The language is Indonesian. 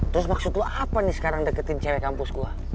terus maksudnya apa nih sekarang deketin cewek kampus gue